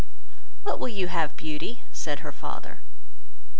"What will you have, Beauty?" said her father.